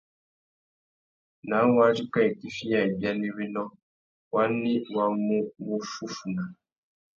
Ná wadjú kā itifiya ibianéwénô, wani wá mú wuffúffuna?